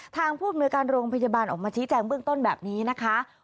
ผู้อำนวยการโรงพยาบาลออกมาชี้แจงเบื้องต้นแบบนี้นะคะ